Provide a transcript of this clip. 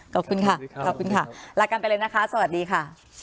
ขอบคุณค่ะขอบคุณค่ะลากันไปเลยนะคะสวัสดีค่ะ